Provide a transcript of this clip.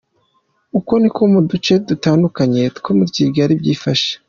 Uko niko mu duce dutandukanye two muri Kigali byifashe .